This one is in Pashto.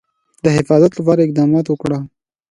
د حفاظت لپاره اقدامات وکړو.